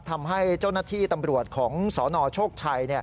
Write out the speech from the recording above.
ทำให้เจ้าหน้าที่ตำรวจของสนโชคชัย